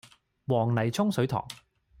黃泥涌水塘